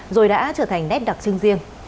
rồi đã trở thành nét đặc trưng riêng